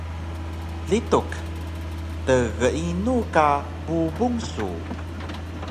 Lituk: Tgeinu ka bubung su?